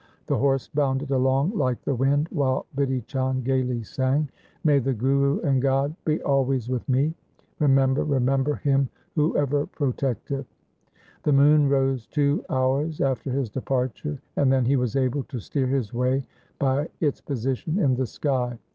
The horse bounded along like the wind while Bidhi Chand gaily sang — May the Guru and God be always with me ! Remember, remember Him who ever protecteth. 1 The moon rose two hours after his departure, and then he was able to steer his way by its position in the sky.